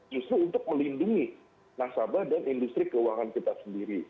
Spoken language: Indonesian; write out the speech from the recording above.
justru untuk melindungi nasabah dan industri keuangan kita sendiri